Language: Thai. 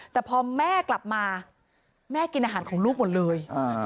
แต่พอแม่กลับมาแม่กินอาหารของลูกหมดเลย